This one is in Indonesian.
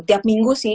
tiap minggu sih